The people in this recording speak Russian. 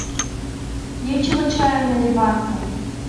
Нечего чаем наливаться.